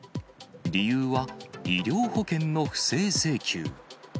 理由は医療保険の不正請求。